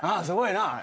すごいな。